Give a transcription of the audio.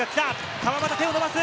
川真田、手を伸ばす！